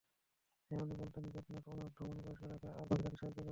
হ্যাঁ, উনি বলতেন গ্রেপ-নাট ওনার ধমনী পরিষ্কার রাখে আর বাকিটাতে সাহায্য করে ডিউক।